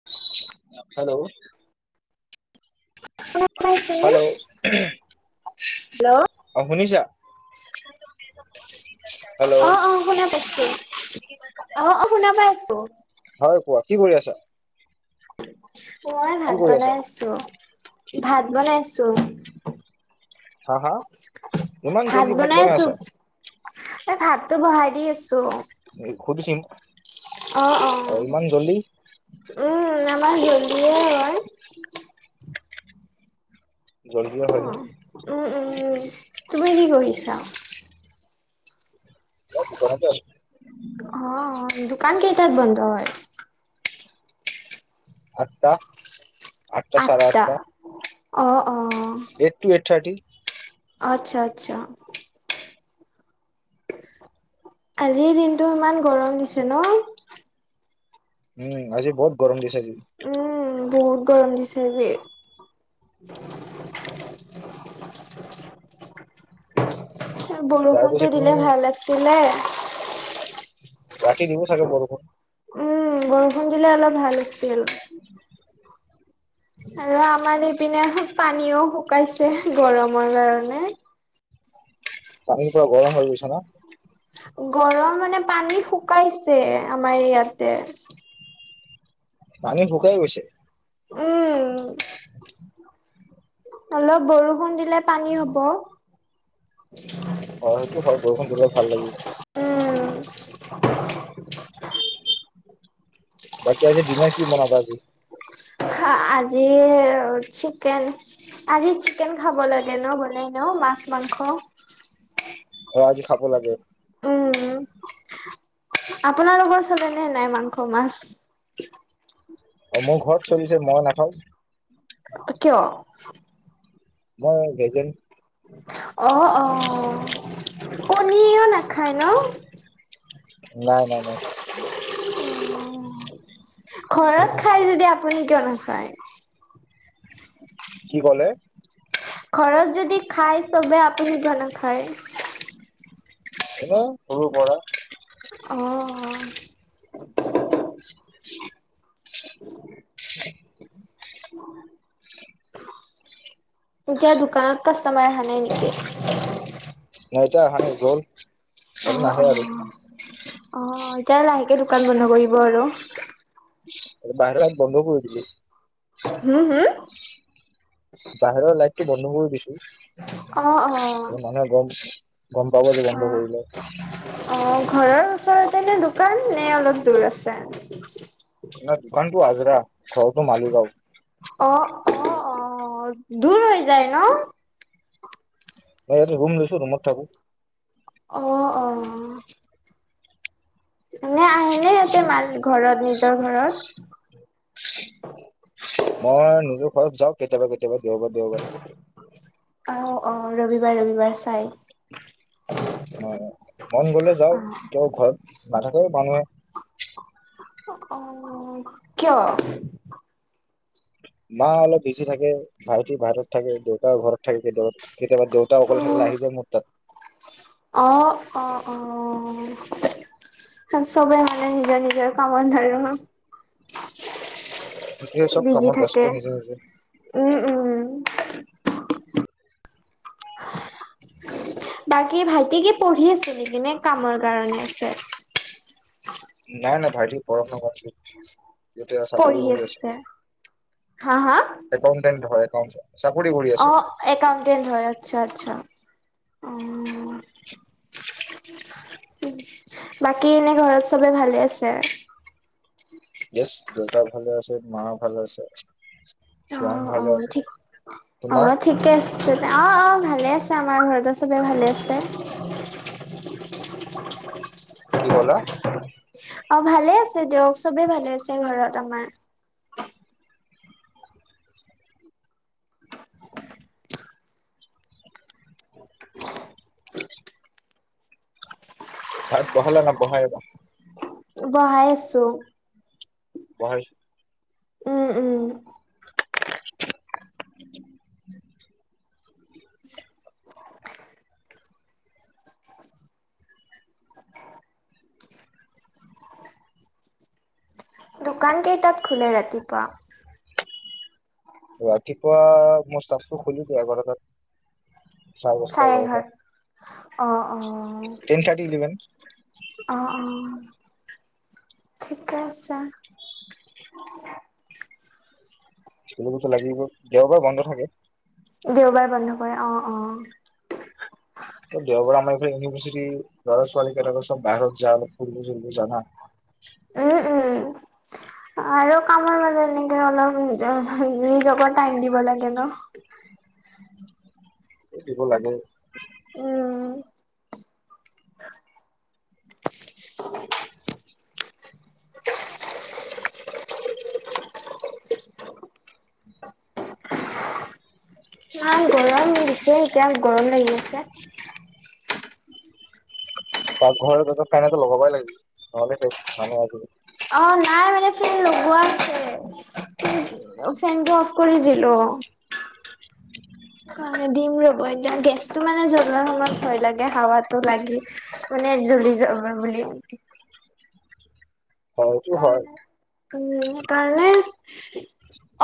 [inaudible] Hello! Hello! অ', শুনিছা? Hello অ', অ', শুনা পাইছোঁ। অ', অ', শুনা পাই আছোঁ। হয়, কোৱা, কি কৰি আছা? মই কি ভাত কৰি বনাই আছা আছোঁ, ভাত বনাই আছোঁ। হা, হা, ইমান জল্দি ভাত বনাই আছা? এ, ভাতটো বহাই দি আছোঁ। [inaudible] অ', অ', ইমান জল্দি উম, আমাৰ জিল্ডিয়ে হয়। জল্ডিয়ে হয়, নেকি? উম, উম, তুমি কি কৰিছা? মই ঘৰতে আছোঁ। অ', অ', দোকান কেইটাত বন্ধ হয়? আঠটাত, আঠটা চাৰে আঠটা। অ', অ'। তু এইট থাৰ্টি। আচ্ছা, আচ্ছা। আজিৰ দিনটো ইমান গৰম দিছে ন'! উম, আজি বহুত গৰম দিছে আজি। উম, বহুত গৰম দিছে আজি। [inaudible] [inaudible] এ, বৰষুণটো তাৰপিছত দিলে তুমি ভাল আছিলে। ৰাতি দিব চাগে বৰষুণ। উম, বৰষুণ দিলে অলপ ভাল আছিল। [inaudible] আৰু আমাৰ এইপিনে পানীও শুকাইছে, গৰমৰ কাৰণে। পানী পুৰা গৰম হৈ গৈছে না! গৰম মানে, পানী শুকাইছে আমাৰ ইয়াতে। পানী শুকাই গৈছে! উম। অলপ বৰষুণ দিলে পানী হ'ব। অ', সেইটো হয়, বৰষুণ দিলে ভাল লাগিল। উম। [inaudible] বাকী আজি ডিনাৰ কি বনাবা আজি? আজি, চিকেন। আজি চিকেন খাব লাগে ন, বনাই ন, মাছ মাংস। অ', আজি খাব লাগে। উম, আপোনালোকৰ চালেনে নাই মাংস মাছ? অ', মোৰ ঘৰত চলিছে, মই নাখাওঁ। কিয়? মই [unintelligible] অ', অ'। কণীও নাখায় ন'? নাই, নাই। ঘৰত খাই আপুনি যদি আপুনি কিয় নাখায়? কি ক'লে? ঘৰত যদি খায় চবে আপুনি কিয় নাখায়? এনেই সৰু পৰা। অঁ। [unintelligible] [unintelligible] এতিয়া দোকানত কাষ্টমাৰ আহা নাই নেকি? নাই এতিয়া অহা নাই, গ'ল। আৰু অ- নাহে আৰু অ- অ, এতিয়া লাহেকে দোকান বন্ধ কৰিব আৰু। বাইদেউহেত বন্ধ কৰি দিছে। উম, হুম? বাহিৰৰ লাইটটো বন্ধ কৰি দিছোঁ। অ', অ', এ মানুহে গম- গম পাব যে বন্ধ অ'। কৰিলে। অ, ঘৰৰ ওচৰতে নে দোকান নে অলপ দূৰ আছে? উম। ন দোকানটো আজৰা, ঘৰটো মালি গাওঁ। অ- অ- অ, দূৰ হৈ যায় ন? ৰুম লৈছোঁ, ৰুমত থাকোঁ। অ- অ। নে আহেনে মা হঁতে, মাৰ ঘৰত নিজৰ ঘৰত? মই নিজৰ ঘৰত যাওঁ কেতিয়াবা- কেতিয়াবা দেওবাৰে- দেওবাৰে। অ, ৰবিবাৰ- ৰবিবাৰ চাই। অ, মন গ'লে যাওঁ, অ ত, ঘৰত নাথাকে মানুহে। অ, কিয়? মা অলপ বিজি থাকে, ভাইটি বাহিৰত থাকে, দেউতাও ঘৰত। কেতিয়াবা দেউতা অকলে থাকিলে আহি যায় মোৰ তাত। অ- অ- অ। চবেই মানে নিজৰ নিজৰ কামত ধৰে ন। [unintelligible] চব বিজি কামত ব্যস্ত থাকে। নিজে নিজে উম, উম। [unintelligible] বাকী ভাইটি কি পঢ়ি আছে নেকি নে কামৰ কাৰণে আছে? নাই, নাই, ভাইটিৰ পঢ়া-শুনা কমপ্লিট হৈছে। এতিয়া চাকৰি কৰি আছে। হা হা একাউণ্টেণ্ট হয়, একাউণ্ট চাকৰি কৰি অ আছে। একাউণ্টেণ্ট হয়। আতচ্ছা -আতচ্ছা, অ। বাকী এনে ঘৰত চবে ভালে আছে? য়েছ, দেউতা ভালে আছে, মা ভালে আছে। অ, চোৱান অ, ভালে আছে ঠিক, অ তোমাৰ ঠিকে আছে। অ, অ, ভালে আছে আমাৰ ঘৰতো চবে ভালে আছে। কি ক'লা? অ, ভালে আছে দিয়ক, চবে ভালে আছে ঘৰত আমাৰ। ভাত বহালা নাই? বহাই ল। বহাই আছো। বহাই উম, উম। [unintelligible] [unintelligible] দোকান কেইটাত খোলে ৰাতিপুৱা? ৰাতিপুৱা মোৰ ষ্টাপটো খুলি দিয়ে এঘাৰটাত। দহটা চাৰে এঘাৰটা এঘাৰত, অঁ অঁহ। টেন থাৰ্টি ইলেভেন অঁ, অহ ঠিকে আছে। চাহ খুলিবটো লাগিব, দেওবাৰে বন্ধ থাকে। দেওবাৰে বন্ধ কৰে, অঁ অঁ। এ দেওবাৰে আমাৰ এইফালে ইউনিভাৰ্চিটিৰ ল'ৰা ছোৱালী কেইটাকে চব বাহিৰত যাওঁ ফুৰিব চুৰিব যায় না। উম, উম উম। আৰু কামৰ মাজত এনেকে অলপ [unintelligible] নিজকো টাইম দিব লাগে ন। এ দিব লাগে। উম। [inaudible] ইমান গৰম দিছে, এতিয়াও গৰম লাগি আছে। পাকঘৰ এটাতো ফেন এটা লগাবাই লাগিছিল, নহ'লেই শেষ মানুহ আজিকালি। অ, নাই মানে ফেন লগোৱা আছে। ফেনটো অফ কৰি দিলো। কাৰনে দিম ৰ'ব এতিয়া গেছ টো মানে জ্বলোৱাৰ সময়ত ভয় লাগে হাৱাটো লাগি মানে, জ্বলি যাব বুলি। হয় এইটো হয় কাৰনে উম, সেইকাৰণে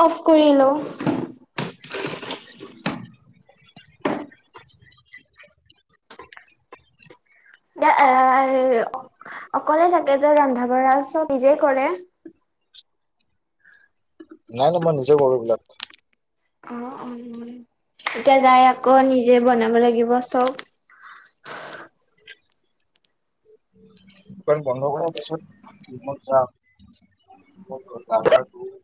অফ কৰি লওঁ। এ, এ অকলে থাকে যে ৰন্ধা বঢ়া চব নিজেই কৰে। নাই, নাই মই নিজে কৰো এইবিলাক। অ, অঁ এতিয়া যায় আকৌ নিজে বনাব লাগিব চব। দোকান বন্ধ কৰাৰ পিছত মই যাম। মই ঘৰত গা চা ধুই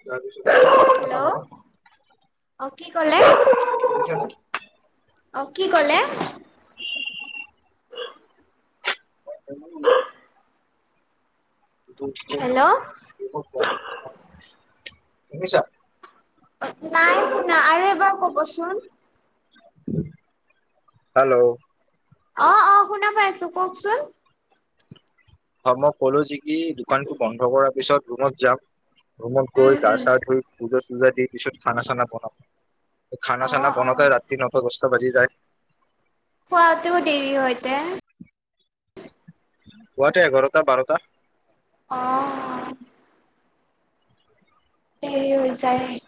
যোৱাৰ পিছত এই খানা চানা হেল্ল' বনাম। অ, কি কলে? শুনিছানে? অঁ' কি কলে? [unintelligible] হেল্ল' [unintelligible] শুনিছা? নাই শুনা আৰু এবাৰ ক'বচোন। হেল্ল'। অ অঁ শুনা পাইছো কওকচোন। হয় মই ক'লো যি কি দোকানতো বন্ধ কৰাৰ পিছত ৰুমত যাম। ৰুমত গৈ উম গা উম চা ধুই পূজা চূজা দি পিছত খানা চানা বনাম। খানা অ', চানা অ', বনাওঁতে ৰাতি নটা দছটা বাজি যায়। খোৱাতো দেৰি হয়তে। খোৱাতে এঘাৰটা- বাৰটা। অঁ। দেৰি হৈ যায়।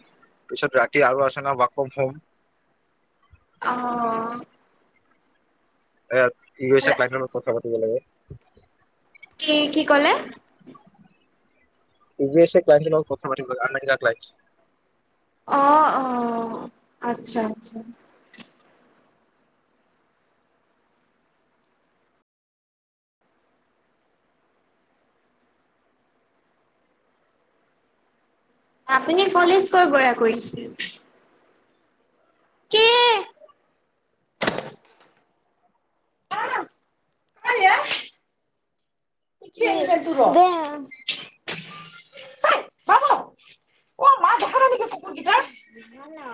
পিছত ৰাতি আৰু আছে ন' ৱাক অফ হোম। অ'। এ, ই কৈছে ক্লাইণ্টৰ লগত কথা পাতিব লাগে। কি কি ক'লে? ই কৈ আছে ক্লাইণ্টৰ লগত কথা পাতিব লাগে আমেৰিকা ক্লাইণ্টচ। অ', অ' আচ্ছা আচ্ছা। আপুনি কলেজ ক'ৰ পৰা কৰিছিল? কি [unintelligible] অ', ভাল আ